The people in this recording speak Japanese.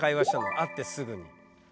会ってすぐに。